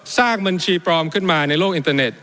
สร้างบัญชีปลอมขึ้นมาในโลกอินเตอร์เน็ต